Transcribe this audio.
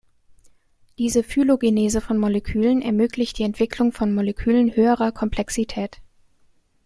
Diese „Phylogenese“ von Molekülen ermöglicht die Entwicklung von Molekülen höherer Komplexität.